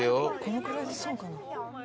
このくらいで済むかな？